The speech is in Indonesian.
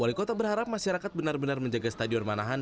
wali kota berharap masyarakat benar benar menjaga stadion manahan